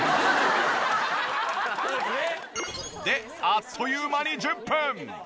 であっという間に１０分。